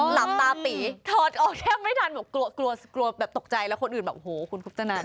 หลับตาปีถอดออกแทบไม่ทันบอกกลัวกลัวแบบตกใจแล้วคนอื่นแบบโอ้โหคุณคุปตนัน